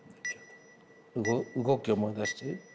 動き思い出して。